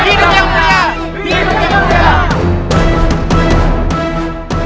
hidup yang mulia hidup yang mulia